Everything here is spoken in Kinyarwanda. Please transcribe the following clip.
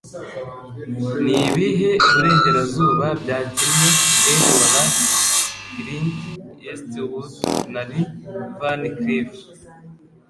Nibihe Burengerazuba Byakinnye Eli Wallach, Clint Eastwood na Lee Van Cleef?